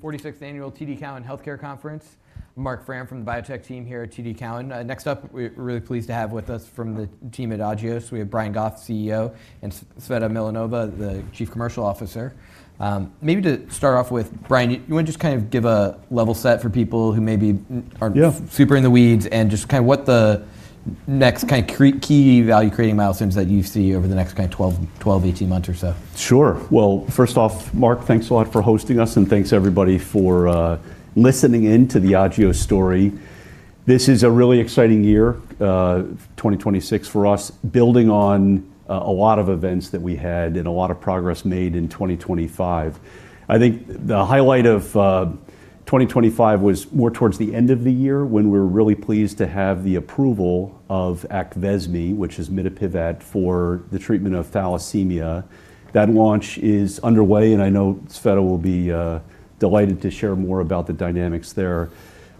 The forty-sixth Annual TD Cowen Healthcare Conference. Marc Frahm from the biotech team here at TD Cowen. next up, we're really pleased to have with us from the team at Agios, we have Brian Goff, CEO, and Tsveta Milanova, the Chief Commercial Officer. maybe to start off with, Brian, you want to just kind of give a level set for people who maybe aren't. Yeah. super in the weeds and just kind of what the next kind of key value-creating milestones that you see over the next kind of 12 to 18 months or so. Sure. Well, first off, Marc, thanks a lot for hosting us, and thanks everybody for listening in to the Agios story. This is a really exciting year, 2026 for us, building on a lot of events that we had and a lot of progress made in 2025. I think the highlight of 2025 was more towards the end of the year when we were really pleased to have the approval of PYRUKYND, which is mitapivat, for the treatment of thalassemia. That launch is underway. I know Tsveta will be delighted to share more about the dynamics there.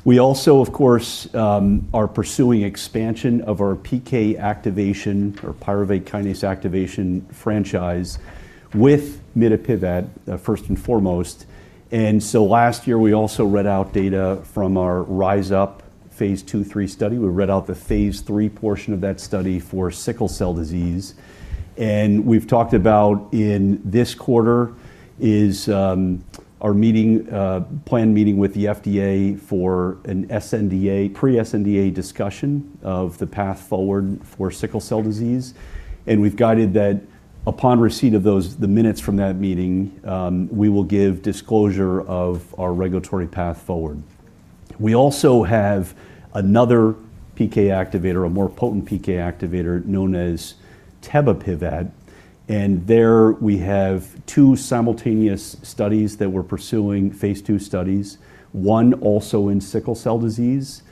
We also, of course, are pursuing expansion of our PK activation or pyruvate kinase activation franchise with mitapivat, first and foremost. Last year, we also read out data from our RISE UP Phase 2/3 study. We read out the Phase 3 portion of that study for sickle cell disease. We've talked about in this quarter is our planned meeting with the FDA for an sNDA, pre-sNDA discussion of the path forward for sickle cell disease. We've guided that upon receipt of those, the minutes from that meeting, we will give disclosure of our regulatory path forward. We also have another PK activator, a more potent PK activator known as tebapivat. There we have two simultaneous studies that we're pursuing, Phase 2 studies, one also in sickle cell disease.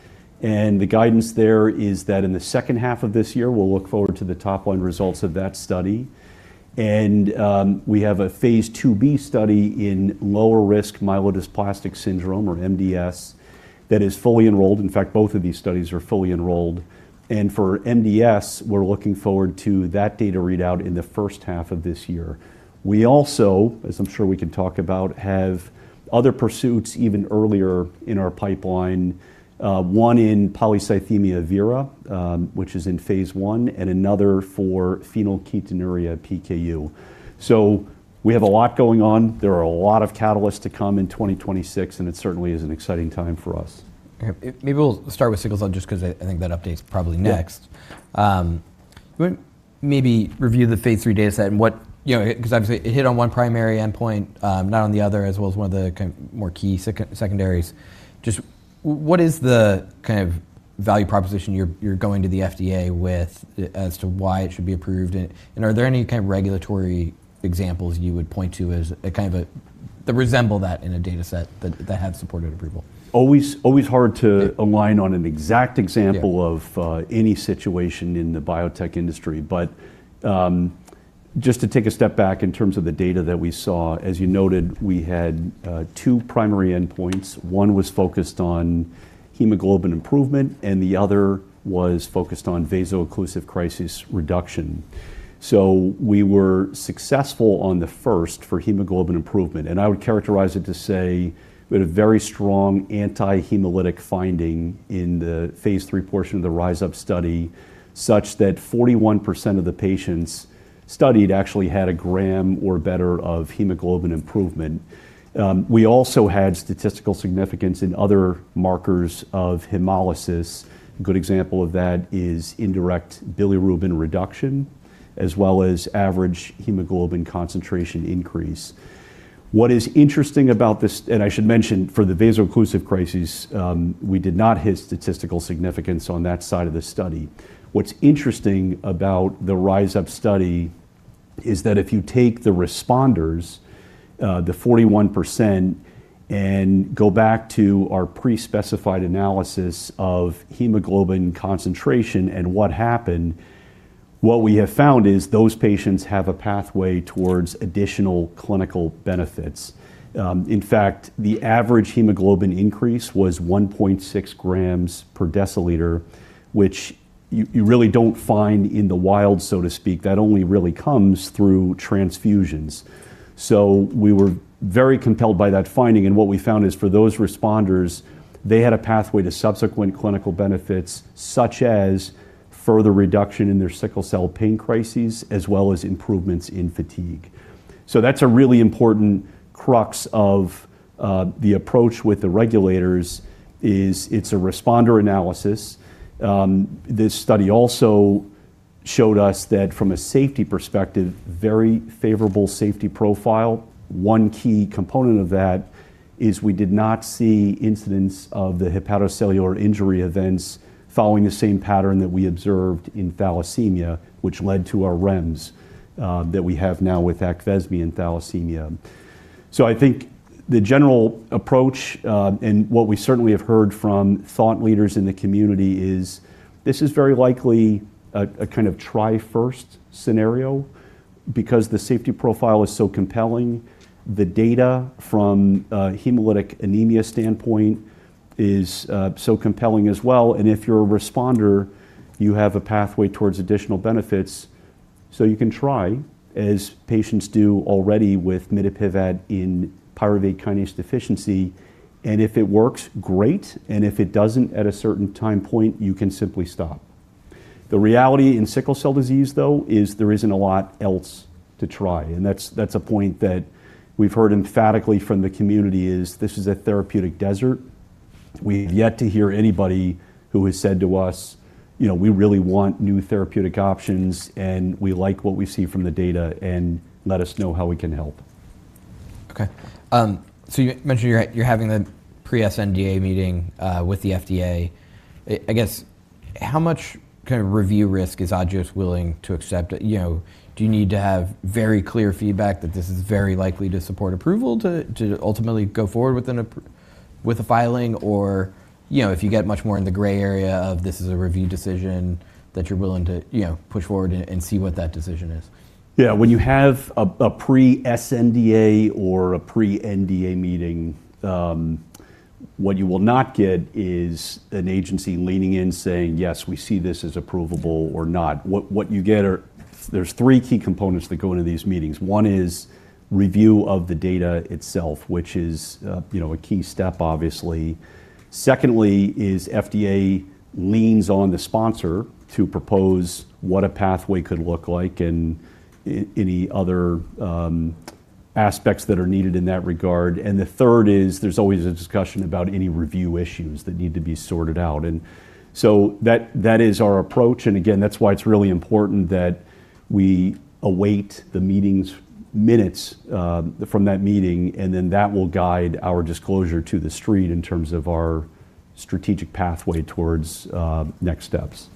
The guidance there is that in the second half of this year, we'll look forward to the top line results of that study. We have a Phase 2b study in lower risk myelodysplastic syndrome or MDS that is fully enrolled. In fact, both of these studies are fully enrolled. For MDS, we're looking forward to that data readout in the first half of this year. We also, as I'm sure we can talk about, have other pursuits even earlier in our pipeline, one in Polycythemia Vera, which is in phase 1, and another for phenylketonuria, PKU. We have a lot going on. There are a lot of catalysts to come in 2026, and it certainly is an exciting time for us. Okay. Maybe we'll start with sickle cell just 'cause I think that update's probably next. You want to maybe review the phase 3 dataset and what, you know, 'cause obviously it hit on 1 primary endpoint, not on the other, as well as 1 of the kind of more key secondaries. Just what is the kind of value proposition you're going to the FDA with as to why it should be approved and are there any kind of regulatory examples you would point to as a kind of that resemble that in a dataset that have supported approval? Always hard to align on an exact example. Yeah. of any situation in the biotech industry. Just to take a step back in terms of the data that we saw, as you noted, we had 2 primary endpoints. One was focused on hemoglobin improvement, and the other was focused on vaso-occlusive crisis reduction. We were successful on the first for hemoglobin improvement, and I would characterize it to say we had a very strong anti-hemolytic finding in the phase 3 portion of the RISE UP study, such that 41% of the patients studied actually had a gram or better of hemoglobin improvement. We also had statistical significance in other markers of hemolysis. A good example of that is indirect bilirubin reduction, as well as average hemoglobin concentration increase. What is interesting about this, and I should mention for the vaso-occlusive crisis, we did not hit statistical significance on that side of the study. What's interesting about the RISE UP study is that if you take the responders, the 41%, and go back to our pre-specified analysis of hemoglobin concentration and what happened, what we have found is those patients have a pathway towards additional clinical benefits. In fact, the average hemoglobin increase was 1.6 grams per deciliter, which you really don't find in the wild, so to speak. That only really comes through transfusions. We were very compelled by that finding, and what we found is for those responders, they had a pathway to subsequent clinical benefits, such as further reduction in their sickle cell pain crises, as well as improvements in fatigue. That's a really important crux of the approach with the regulators is it's a responder analysis. This study also showed us that from a safety perspective, very favorable safety profile. One key component of that is we did not see incidents of the hepatocellular injury events following the same pattern that we observed in thalassemia, which led to our REMS that we have now with AQVESME and thalassemia. I think the general approach, and what we certainly have heard from thought leaders in the community is this is very likely a kind of try first scenario because the safety profile is so compelling. The data from a hemolytic anemia standpoint is, so compelling as well, and if you're a responder, you have a pathway towards additional benefits. You can try as patients do already with mitapivat in pyruvate kinase deficiency, and if it works, great, and if it doesn't at a certain time point, you can simply stop. The reality in sickle cell disease, though, is there isn't a lot else to try, and that's a point that we've heard emphatically from the community is this is a therapeutic desert. We've yet to hear anybody who has said to us, you know, we really want new therapeutic options, and we like what we see from the data and let us know how we can help. Okay. You mentioned you're having the pre-sNDA meeting with the FDA. I guess how much kind of review risk is Agios willing to accept? You know, do you need to have very clear feedback that this is very likely to support approval to ultimately go forward with a filing or, you know, if you get much more in the gray area of this is a review decision that you're willing to, you know, push forward and see what that decision is? Yeah. When you have a pre-sNDA or a pre-NDA meeting, what you will not get is an agency leaning in saying, "Yes, we see this as approvable or not." What you get are there's three key components that go into these meetings. One is review of the data itself, which is, you know, a key step, obviously. Secondly is FDA leans on the sponsor to propose what a pathway could look like and any other aspects that are needed in that regard. The third is there's always a discussion about any review issues that need to be sorted out. That is our approach, and again, that's why it's really important that we await the meeting's minutes from that meeting, and then that will guide our disclosure to the Street in terms of our strategic pathway towards next steps.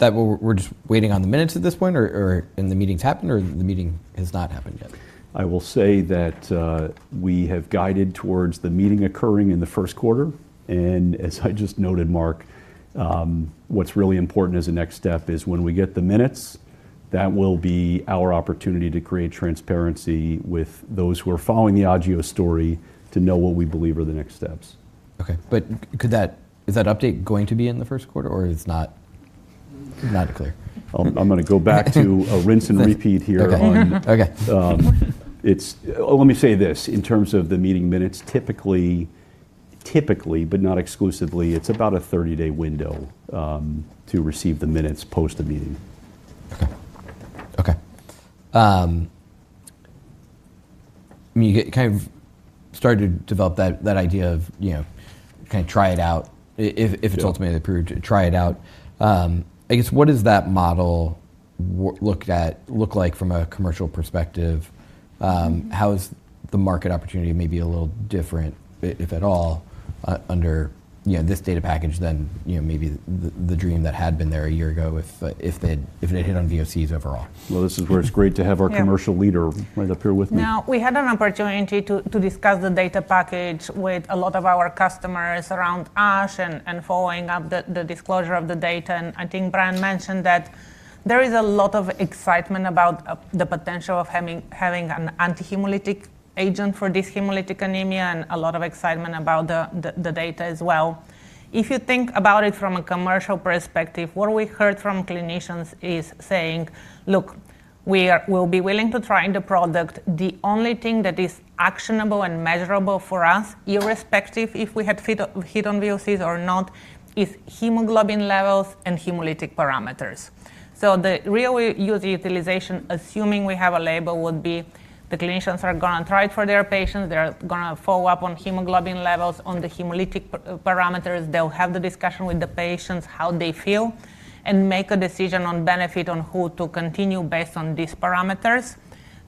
We're just waiting on the minutes at this point or and the meeting's happened or the meeting has not happened yet? I will say that we have guided towards the meeting occurring in the first quarter, and as I just noted, Marc, what's really important as a next step is when we get the minutes, that will be our opportunity to create transparency with those who are following the Agios story to know what we believe are the next steps. Okay. Is that update going to be in the first quarter or it's not clear? I'm gonna go back to a rinse and repeat here. Okay. Okay. Let me say this. In terms of the meeting minutes, typically, but not exclusively, it's about a 30-day window to receive the minutes post the meeting. Okay. Okay. I mean, you kind of started to develop that idea of, you know, kinda try it out if it's ultimately approved to try it out. I guess what does that model look like from a commercial perspective? How is the market opportunity maybe a little different, if at all, under, you know, this data package than, you know, maybe the dream that had been there a year ago if they'd hit on VOCs overall? This is where it's great to have our Commercial Leader right up here with me. We had an opportunity to discuss the data package with a lot of our customers around ASH and following up the disclosure of the data. I think Brian mentioned that there is a lot of excitement about the potential of having an anti-hemolytic agent for this hemolytic anemia and a lot of excitement about the data as well. If you think about it from a commercial perspective, what we heard from clinicians is saying, "Look, we'll be willing to try the product. The only thing that is actionable and measurable for us, irrespective if we had hit on VOCs or not, is hemoglobin levels and hemolytic parameters." The real utilization, assuming we have a label, would be the clinicians are gonna try it for their patients. They're gonna follow up on hemoglobin levels, on the hemolytic parameters. They'll have the discussion with the patients, how they feel, and make a decision on benefit on who to continue based on these parameters.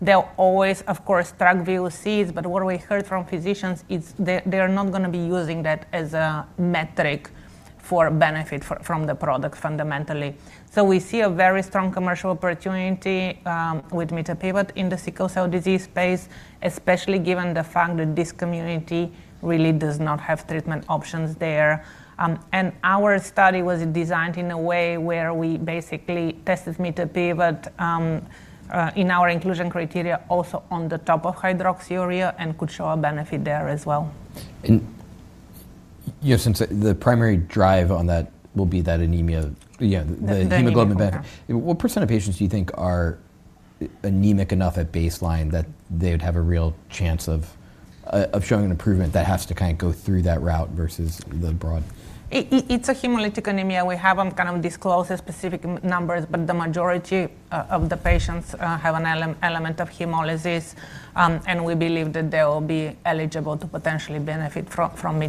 They'll always, of course, track VOCs, but what we heard from physicians is they are not gonna be using that as a metric for benefit from the product fundamentally. We see a very strong commercial opportunity with mitapivat in the sickle cell disease space, especially given the fact that this community really does not have treatment options there. Our study was designed in a way where we basically tested mitapivat in our inclusion criteria also on the top of hydroxyurea and could show a benefit there as well. you know, since the primary drive on that will be that anemia, you know. The anemia parameter. ...the hemoglobin benefit. What % of patients do you think are anemic enough at baseline that they would have a real chance of showing an improvement that has to kind of go through that route versus the broad? It's a hemolytic anemia. We haven't kind of disclosed the specific numbers, but the majority of the patients have an element of hemolysis, and we believe that they will be eligible to potentially benefit from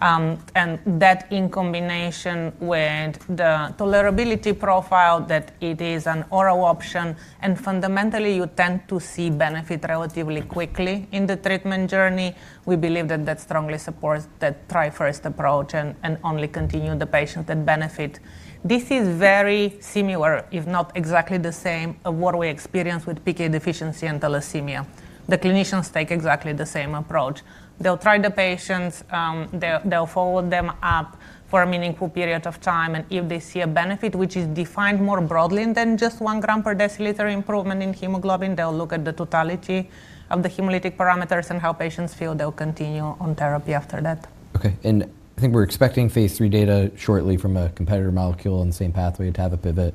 mitapivat. That in combination with the tolerability profile, that it is an oral option, and fundamentally, you tend to see benefit relatively quickly in the treatment journey. We believe that strongly supports that try first approach and only continue the patient that benefit. This is very similar, if not exactly the same of what we experience with PK deficiency and thalassemia. The clinicians take exactly the same approach. They'll try the patients, they'll follow them up for a meaningful period of time, and if they see a benefit, which is defined more broadly than just 1 gram per deciliter improvement in hemoglobin, they'll look at the totality of the hemolytic parameters and how patients feel they'll continue on therapy after that. Okay. I think we're expecting phase 3 data shortly from a competitor molecule in the same pathway, etavopivat.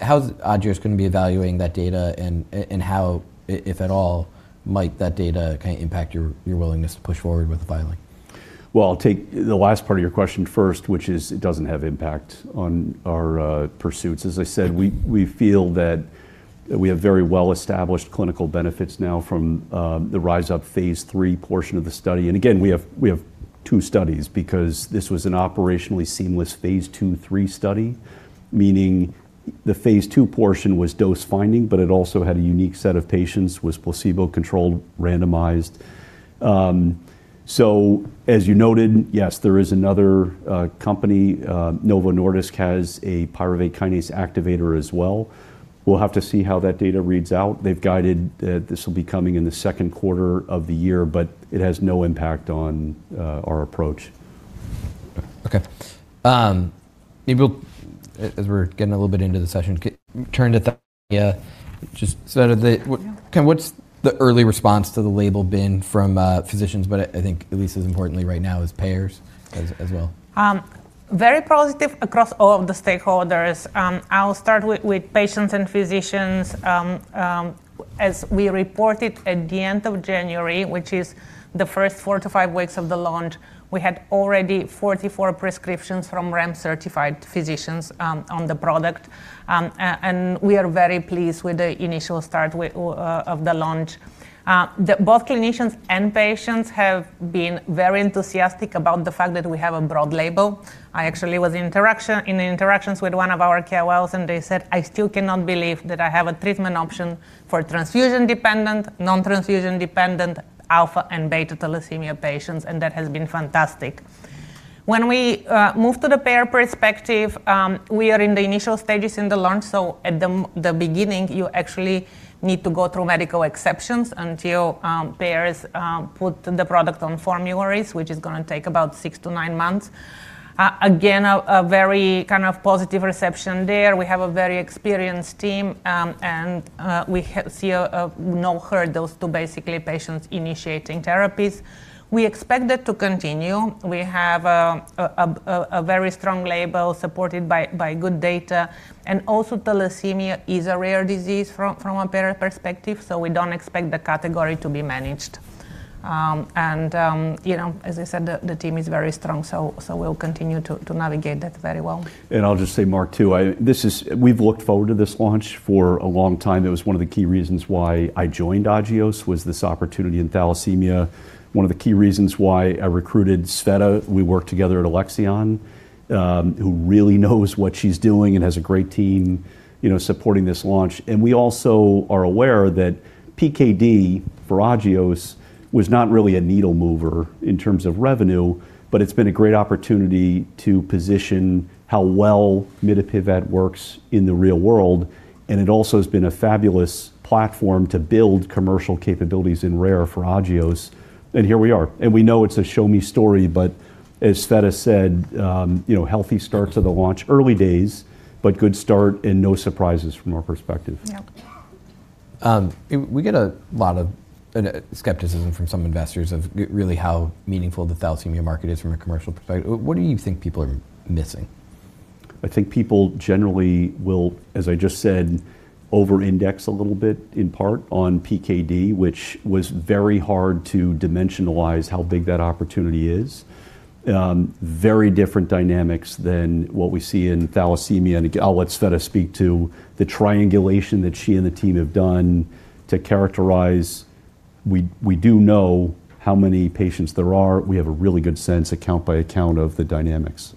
How is Agios gonna be evaluating that data and how, if at all, might that data kinda impact your willingness to push forward with the filing? Well, I'll take the last part of your question first, which is it doesn't have impact on our pursuits. As I said, we feel that we have very well-established clinical benefits now from the RISE UP Phase 3 portion of the study. Again, we have two studies because this was an operationally seamless Phase 2/3 study, meaning the Phase 2 portion was dose finding, but it also had a unique set of patients, was placebo-controlled, randomized. As you noted, yes, there is another company, Novo Nordisk has a pyruvate kinase activator as well. We'll have to see how that data reads out. They've guided that this will be coming in the second quarter of the year, but it has no impact on our approach. Okay. What's the early response to the label been from physicians, but I think at least as importantly right now is payers as well? Very positive across all of the stakeholders. I'll start with patients and physicians. As we reported at the end of January, which is the first four to five weeks of the launch, we had already 44 prescriptions from REMS-certified physicians on the product. We are very pleased with the initial start of the launch. The both clinicians and patients have been very enthusiastic about the fact that we have a broad label. I actually was in interactions with one of our KOLs, and they said, "I still cannot believe that I have a treatment option for transfusion-dependent, non-transfusion dependent alpha and beta thalassemia patients," and that has been fantastic. When we move to the payer perspective, we are in the initial stages in the launch, so at the beginning, you actually need to go through medical exceptions until payers put the product on formularies, which is gonna take about six to nine months. Again, a very kind of positive reception there. We have a very experienced team, and we see no hurdles to basically patients initiating therapies. We expect that to continue. We have a very strong label supported by good data. Also, thalassemia is a rare disease from a payer perspective, so we don't expect the category to be managed. You know, as I said, the team is very strong, so we'll continue to navigate that very well. I'll just say, Marc, too, we've looked forward to this launch for a long time. It was one of the key reasons why I joined Agios, was this opportunity in thalassemia. One of the key reasons why I recruited Tsveta, we worked together at Alexion, who really knows what she's doing and has a great team, you know, supporting this launch. We also are aware that PKD for Agios was not really a needle mover in terms of revenue, but it's been a great opportunity to position how well mitapivat works in the real world, and it also has been a fabulous platform to build commercial capabilities in rare for Agios. Here we are. We know it's a show me story, but as Tsveta said, you know, healthy start to the launch. Early days, but good start and no surprises from our perspective. Yep. We get a lot of skepticism from some investors of really how meaningful the thalassemia market is from a commercial perspective. What do you think people are missing? I think people generally will, as I just said, over-index a little bit in part on PKD, which was very hard to dimensionalize how big that opportunity is. Very different dynamics than what we see in thalassemia. I'll let Tsveta speak to the triangulation that she and the team have done to characterize. We do know how many patients there are. We have a really good sense account by account of the dynamics.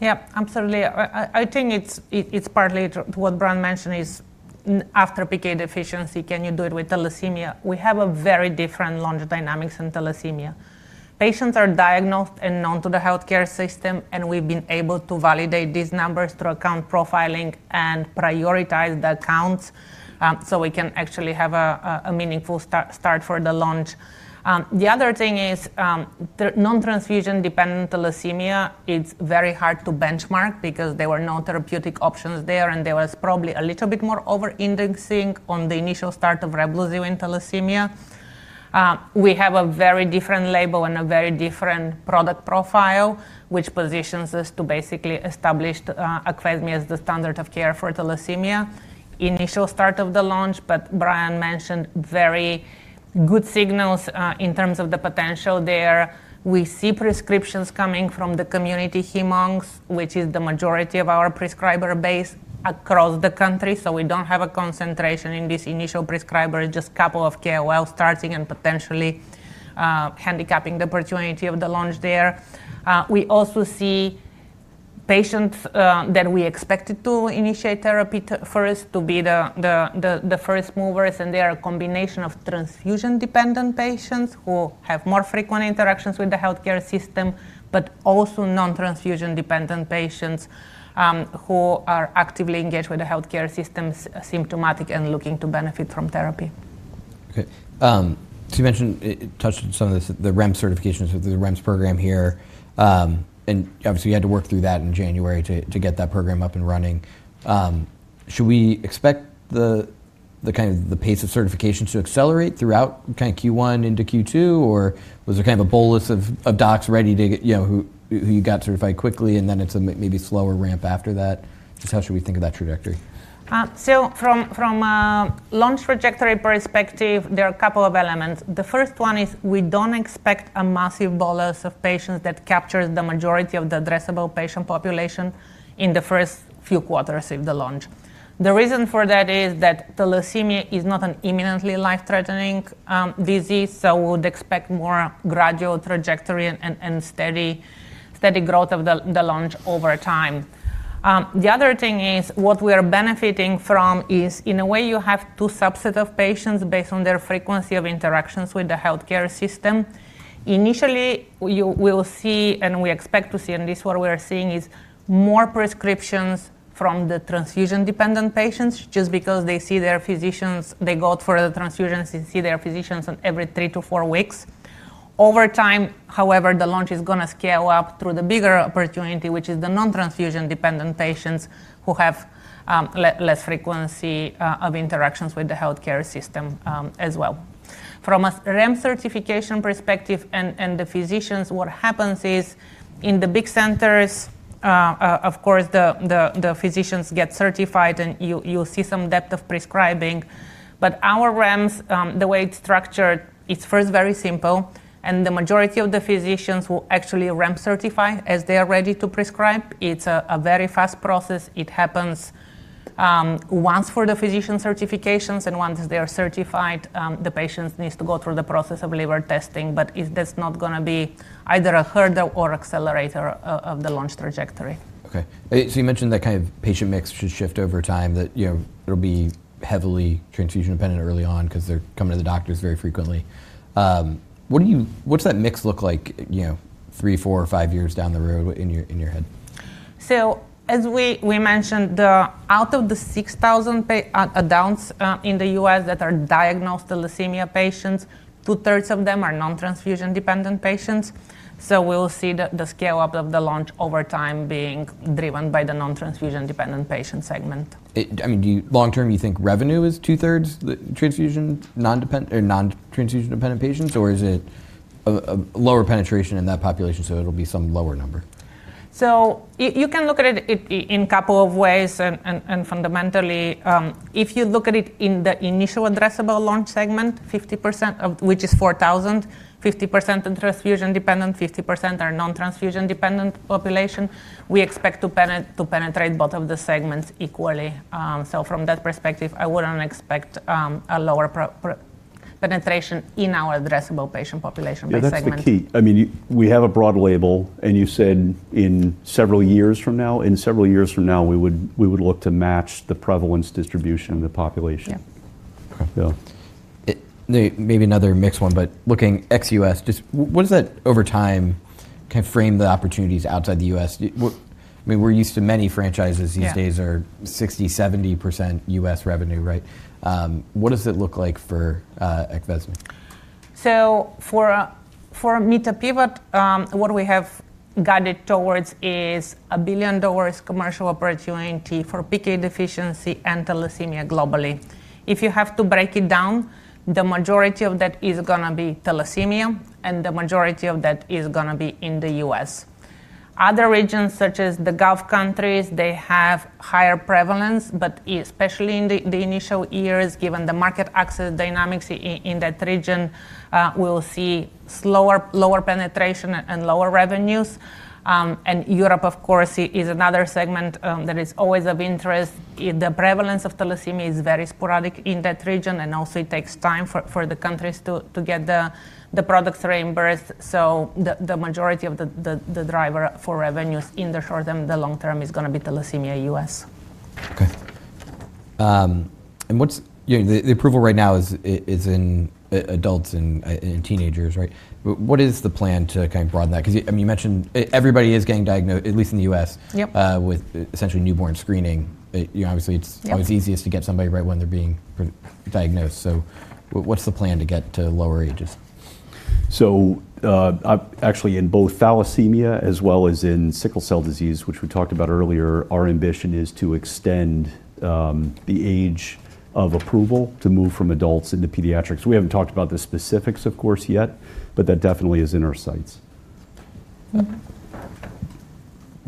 Yeah, absolutely. I think it's partly to what Brian mentioned is after PKD deficiency, can you do it with thalassemia? We have a very different launch dynamics in thalassemia. Patients are diagnosed and known to the healthcare system, we've been able to validate these numbers through account profiling and prioritize the accounts, so we can actually have a meaningful start for the launch. The other thing is, the non-transfusion-dependent thalassemia, it's very hard to benchmark because there were no therapeutic options there was probably a little bit more over-indexing on the initial start of REBLOZYL in thalassemia. We have a very different label and a very different product profile, which positions us to basically establish AQVESME as the standard of care for thalassemia. Initial start of the launch, but Brian Goff mentioned very good signals in terms of the potential there. We see prescriptions coming from the community heme/onc, which is the majority of our prescriber base across the country. We don't have a concentration in this initial prescriber, just couple of KOLs starting and potentially handicapping the opportunity of the launch there. We also see patients that we expected to initiate therapy first to be the first movers, and they are a combination of transfusion-dependent patients who have more frequent interactions with the healthcare system, but also non-transfusion-dependent patients who are actively engaged with the healthcare systems, symptomatic and looking to benefit from therapy. Okay. You mentioned, it touched on some of this, the REMS certifications with the REMS program here. Obviously you had to work through that in January to get that program up and running. Should we expect the kind of the pace of certification to accelerate throughout kind of Q1 into Q2, or was there kind of a bolus of docs ready to get, you know, who you got certified quickly, and then it's a maybe slower ramp after that? Just how should we think of that trajectory? From a launch trajectory perspective, there are a couple of elements. The first one is we don't expect a massive bolus of patients that captures the majority of the addressable patient population in the first few quarters of the launch. The reason for that is that thalassemia is not an imminently life-threatening disease, so we would expect more gradual trajectory and steady growth of the launch over time. The other thing is what we are benefiting from is in a way you have two subset of patients based on their frequency of interactions with the healthcare system. Initially, you will see, and we expect to see, and this what we are seeing is more prescriptions from the transfusion-dependent patients just because they see their physicians, they go out for a transfusion, see their physicians in every three to four weeks. Over time, however, the launch is gonna scale up through the bigger opportunity, which is the non-transfusion-dependent patients who have less frequency of interactions with the healthcare system as well. From a REMS certification perspective and the physicians, what happens is in the big centers, of course, the physicians get certified and you'll see some depth of prescribing. Our REMS, the way it's structured, it's first very simple, and the majority of the physicians will actually REMS certify as they are ready to prescribe. It's a very fast process. It happens once for the physician certifications and once they are certified, the patients needs to go through the process of liver testing, but it's just not gonna be either a hurdle or accelerator of the launch trajectory. You mentioned that kind of patient mix should shift over time that, you know, it'll be heavily transfusion-dependent early on because they're coming to the doctors very frequently. What's that mix look like, you know, three, four, or five years down the road in your, in your head? As we mentioned, the out of the 6,000 adults in the U.S. that are diagnosed thalassemia patients, two-thirds of them are non-transfusion-dependent patients. We'll see the scale-up of the launch over time being driven by the non-transfusion-dependent patient segment. I mean, long term, you think revenue is 2/3 the transfusion non-dependent or non-transfusion-dependent patients, or is it a lower penetration in that population, so it'll be some lower number? You can look at it in couple of ways and fundamentally, if you look at it in the initial addressable launch segment, 50% of which is 4,000, 50% are transfusion-dependent, 50% are non-transfusion dependent population. We expect to penetrate both of the segments equally. From that perspective, I wouldn't expect a lower penetration in our addressable patient population by segment. Yeah, that's the key. I mean, we have a broad label. You said in several years from now, we would look to match the prevalence distribution of the population. Yeah. Okay. Yeah. Maybe another mixed one, but looking ex-U.S., just what does that over time kind of frame the opportunities outside the U.S.? We're used to many franchises these days. Yeah. -are 60%, 70% US revenue, right? What does it look like for, PYRUKYND? For a mitapivat, what we have guided towards is a $1 billion commercial opportunity for PK deficiency and thalassemia globally. If you have to break it down, the majority of that is gonna be thalassemia, and the majority of that is gonna be in the US. Other regions such as the Gulf countries, they have higher prevalence, but especially in the initial years, given the market access dynamics in that region, we'll see lower penetration and lower revenues. Europe, of course, is another segment that is always of interest. The prevalence of thalassemia is very sporadic in that region, and also it takes time for the countries to get the products reimbursed. The majority of the driver for revenues in the short and the long term is gonna be thalassemia US. Okay. What's the approval right now is in adults and teenagers, right? What is the plan to kind of broaden that? I mean, you mentioned everybody is getting diagnosed, at least in the U.S. Yep. with essentially newborn screening. You know, obviously, it's... Yep. always easiest to get somebody right when they're being diagnosed. What's the plan to get to lower ages? Actually in both thalassemia as well as in sickle cell disease, which we talked about earlier, our ambition is to extend the age of approval to move from adults into pediatrics. We haven't talked about the specifics, of course, yet, but that definitely is in our sights. Okay.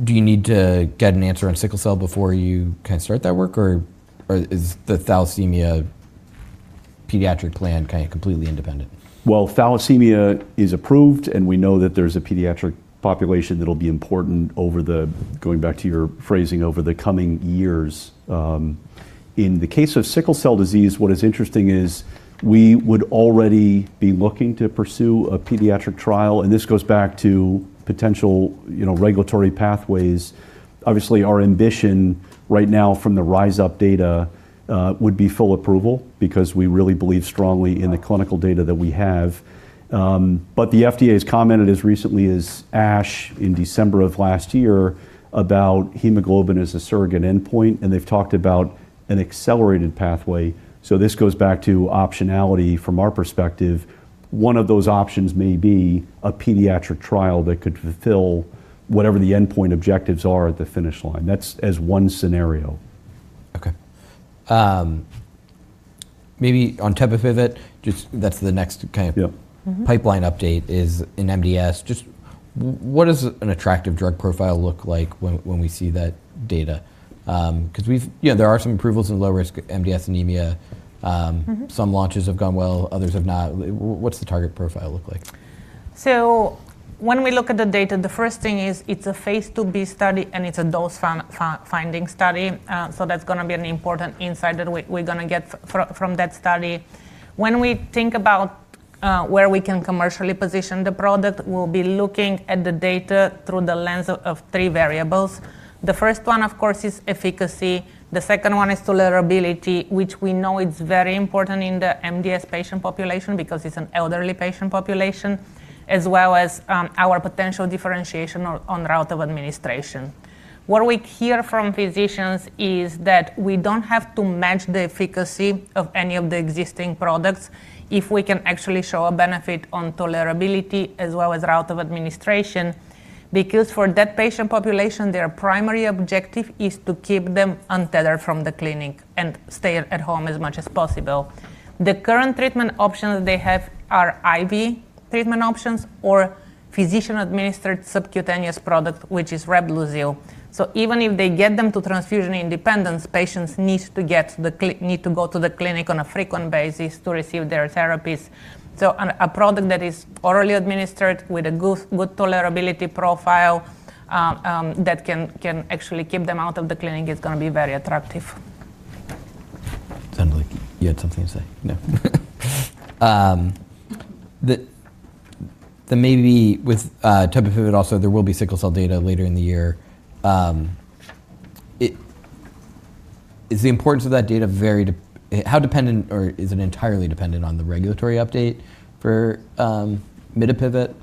Do you need to get an answer on sickle cell before you kind of start that work, or is the thalassemia pediatric plan kind of completely independent? Well, thalassemia is approved. We know that there's a pediatric population that'll be important going back to your phrasing, over the coming years. In the case of sickle cell disease, what is interesting is we would already be looking to pursue a pediatric trial. This goes back to potential, you know, regulatory pathways. Obviously, our ambition right now from the RISE UP data would be full approval because we really believe strongly in the clinical data that we have. The FDA's commented as recently as ASH in December of last year about hemoglobin as a surrogate endpoint. They've talked about an accelerated pathway. This goes back to optionality from our perspective. One of those options may be a pediatric trial that could fulfill whatever the endpoint objectives are at the finish line. That's as one scenario. Okay. Maybe on tebapivat, just that's the next kind of. Yep. Mm-hmm... pipeline update is in MDS. Just what does an attractive drug profile look like when we see that data? You know, there are some approvals in low-risk MDS anemia. Mm-hmm. Some launches have gone well, others have not. What's the target profile look like? When we look at the data, the first thing is it's a Phase 2b study, and it's a dose finding study, so that's gonna be an important insight that we're gonna get from that study. When we think about, where we can commercially position the product, we'll be looking at the data through the lens of three variables. The first one, of course, is efficacy. The second one is tolerability, which we know is very important in the MDS patient population because it's an elderly patient population, as well as, our potential differentiation on route of administration. What we hear from physicians is that we don't have to match the efficacy of any of the existing products if we can actually show a benefit on tolerability as well as route of administration. For that patient population, their primary objective is to keep them untethered from the clinic and stay at home as much as possible. The current treatment options they have are IV treatment options or physician-administered subcutaneous product, which is REBLOZYL. Even if they get them to transfusion independence, patients needs to go to the clinic on a frequent basis to receive their therapies. A product that is orally administered with a good tolerability profile that can actually keep them out of the clinic is gonna be very attractive. Sounded like you had something to say. No? The maybe with tebapivat also, there will be sickle cell data later in the year. Is the importance of that data very how dependent or is it entirely dependent on the regulatory update for mitapivat?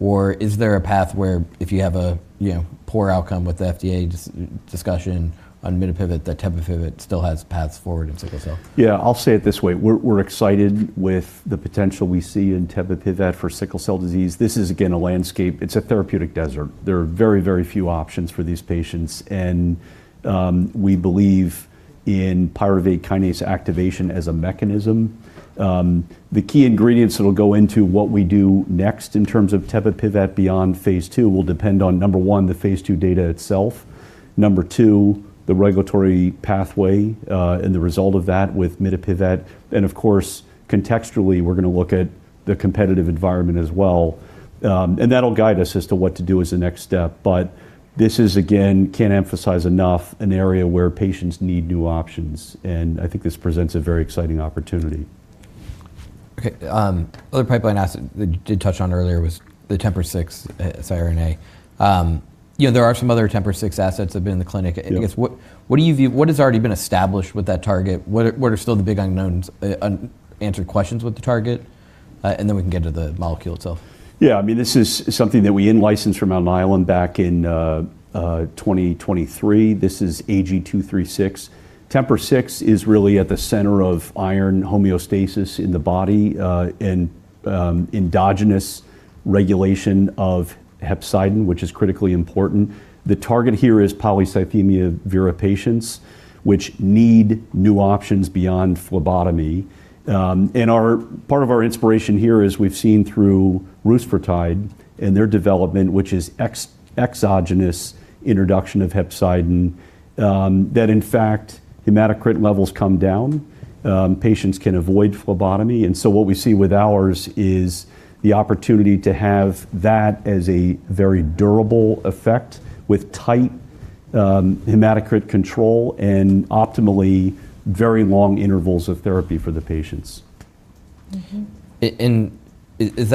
Or is there a path where if you have a, you know, poor outcome with the FDA discussion on mitapivat, that tebapivat still has paths forward in sickle cell? Yeah, I'll say it this way. We're excited with the potential we see in tebapivat for sickle cell disease. This is, again, a landscape, it's a therapeutic desert. There are very, very few options for these patients. We believe in pyruvate kinase activation as a mechanism. The key ingredients that'll go into what we do next in terms of tebapivat beyond phase 2 will depend on, number one, the phase 2 data itself, number two, the regulatory pathway and the result of that with mitapivat. Of course, contextually, we're gonna look at the competitive environment as well. That'll guide us as to what to do as the next step. This is, again, can't emphasize enough, an area where patients need new options, and I think this presents a very exciting opportunity. Okay. Other pipeline asset that you did touch on earlier was the TMPRSS6, siRNA. You know, there are some other TMPRSS6 assets that have been in the clinic. Yep. I guess what has already been established with that target? What are still the big unknowns, unanswered questions with the target? We can get into the molecule itself. Yeah. I mean, this is something that we in-licensed from Alnylam back in 2023. This is AG-236. TMPRSS6 is really at the center of iron homeostasis in the body and endogenous regulation of hepcidin, which is critically important. The target here is polycythemia vera patients, which need new options beyond phlebotomy. Part of our inspiration here is we've seen through rusfertide and their development, which is exogenous introduction of hepcidin, that in fact hematocrit levels come down. Patients can avoid phlebotomy. What we see with ours is the opportunity to have that as a very durable effect with tight hematocrit control and optimally very long intervals of therapy for the patients. Mm-hmm. Is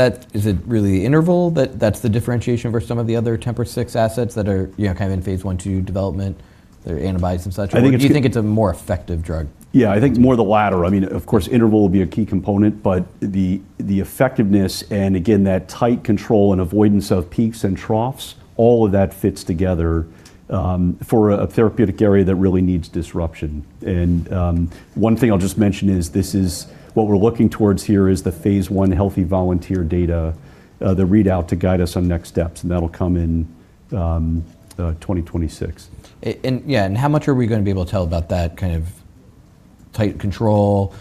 it really the interval that's the differentiation for some of the other TMPRSS6 assets that are, you know, kind of in phase 1, 2 development, they're antibodies and such. I think it's- Do you think it's a more effective drug? Yeah, I think more the latter. I mean, of course, interval will be a key component, but the effectiveness and, again, that tight control and avoidance of peaks and troughs, all of that fits together, for a therapeutic area that really needs disruption. One thing I'll just mention is what we're looking towards here is the phase 1 healthy volunteer data, the readout to guide us on next steps, and that'll come in 2026. Yeah, and how much are we gonna be able to tell about that kind of tight control,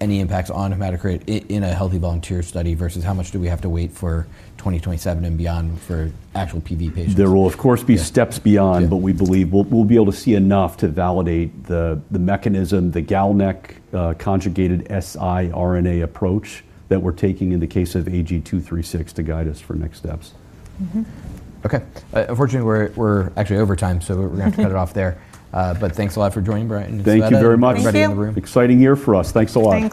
any impacts on hematocrit in a healthy volunteer study versus how much do we have to wait for 2027 and beyond for actual PV patients? There will, of course, be steps beyond- Yeah. We believe we'll be able to see enough to validate the mechanism, the GalNAc conjugated siRNA approach that we're taking in the case of AG-236 to guide us for next steps. Mm-hmm. Okay. Unfortunately, we're actually over time, we're gonna have to cut it off there. Thanks a lot for joining Brian and Tsveta. Thank you very much. Thank you. Everybody in the room. Exciting year for us. Thanks a lot.